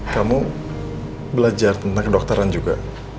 kamu belajar tentang kedokteran juga